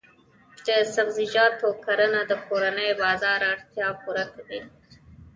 د سبزیجاتو کرنه د کورني بازار اړتیا پوره کوي.